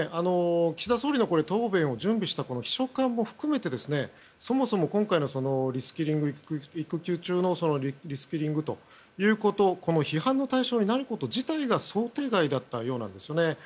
岸田総理の答弁を準備した秘書官も含めてそもそも今回の育休中のリスキリングということがこの批判の対象になること自体が想定外だったようですね。